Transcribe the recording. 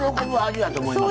そうやと思います。